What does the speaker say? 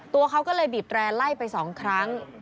ตัวเขาก็เลยบีบแร่ไล่ไป๒ครั้ง